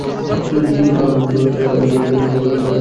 কেননা আমাদের দেশে এখনো বেশির ভাগ মানুষ মনে করে লেখাপড়াই আসল কথা।